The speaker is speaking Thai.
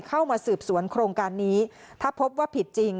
เข้ามาสืบสวนโครงการนี้ถ้าพบว่าผิดจริง